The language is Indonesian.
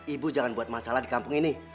ibu jangan buat masalah di kampung ini